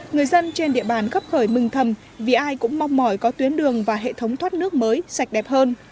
người dân trên địa bàn khắp khởi mừng thầm vì ai cũng mong mỏi có tuyến đường và hệ thống thoát nước mới sạch đẹp hơn